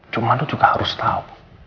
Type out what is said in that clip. cuman lo juga harus tau